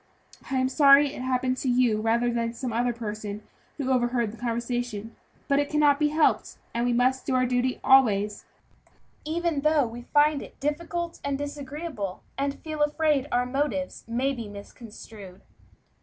I am sorry it happened to be you rather than some other person who overheard the conversation; but it cannot be helped, and we must do our duty always, even though we find it difficult and disagreeable, and feel afraid that our motives may be misconstrued."